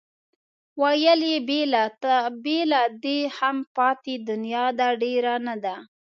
ویل یې بې له دې هم پاتې دنیا ده ډېره نه ده.